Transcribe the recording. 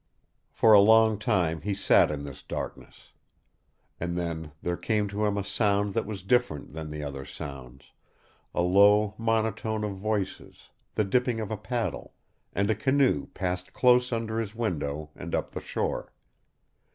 For a long time he sat in this darkness. And then there came to him a sound that was different than the other sounds a low monotone of voices, the dipping of a paddle and a canoe passed close under his windows and up the shore.